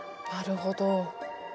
なるほど。